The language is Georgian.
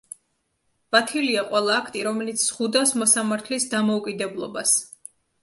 ბათილია ყველა აქტი, რომელიც ზღუდავს მოსამართლის დამოუკიდებლობას.